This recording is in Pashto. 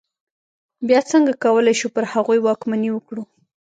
بیا څنګه کولای شو پر هغوی واکمني وکړو.